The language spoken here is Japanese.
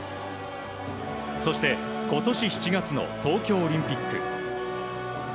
そして今年７月の東京オリンピック。